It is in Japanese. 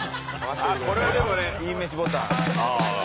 これはでもねいいめしボタン。